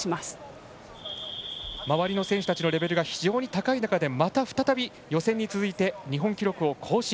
周りの選手たちのレベルが非常に高い中でまた再び予選に続いて日本記録を更新。